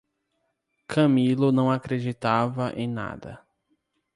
Camilo não acreditava em nada.